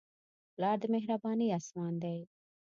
پلار د مهربانۍ اسمان دی.